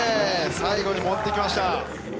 最後に持ってきました。